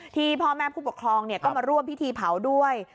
ที่พ่อแม่ผู้ปกครองก็มาร่วมพิธีเผาด้วย